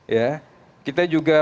ya kita juga